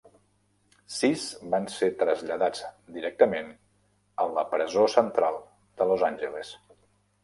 Sis van ser traslladats directament a la presó central de Los Angeles.